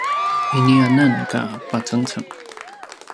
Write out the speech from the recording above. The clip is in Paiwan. iniananka pacengceng!